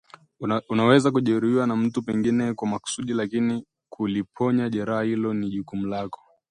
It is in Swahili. Unaweza kujeruhiwa na mtu pengine kwa makusudi lakini kuliponya jeraha hilo ni jukumu lako